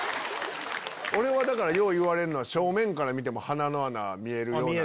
俺はよう言われんのは正面から見ても鼻の穴見える。